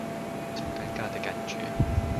一種尷尬的感覺